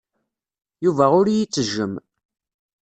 Yuba ur iyi-ittejjem.